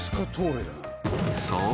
そう！